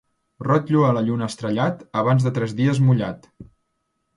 Rotllo a la lluna estrellat, abans de tres dies mullat.